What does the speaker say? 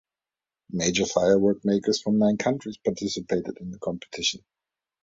Major firework makers from nine countries participated in the competition.